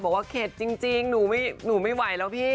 เข็ดจริงหนูไม่ไหวแล้วพี่